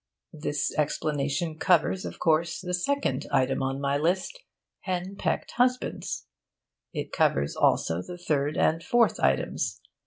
This explanation covers, of course, the second item on my list Hen pecked husbands. It covers, also, the third and fourth items.